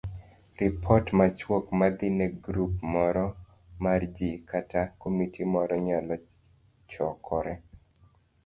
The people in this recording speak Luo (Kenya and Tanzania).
Ripot machuok madhi ne grup moro mar ji kata komiti moro nyalo chakore